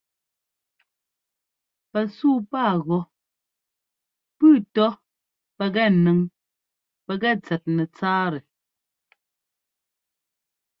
Pɛsúu pá gɔ́ pʉ́ʉ tɔ́ pɛkɛ nʉŋ pɛkɛ tsɛt nɛtsáatɛ.